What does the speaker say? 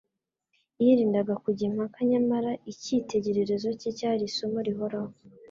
Yirindaga kujya impaka, nyamara icyitegererezo cye cyari isomo rihoraho.